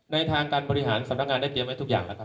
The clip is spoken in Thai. ในทางการบริหารสำนักงานได้เตรียมไว้ทุกอย่างแล้วครับ